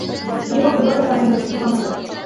جۇڭگو كۇباغا ياردەم بېرىشنى خالايدۇ.